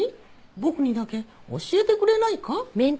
僕にだけ教えてくれないか？